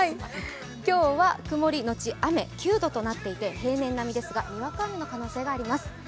今日は曇りのち雨、９度となっていて平年並みですがにわか雨の可能性があります。